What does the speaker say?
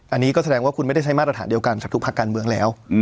อันนี้ก็แสดงว่าคุณไม่ได้ใช้มาตรฐานเดียวกันกับทุกภาคการเมืองแล้ว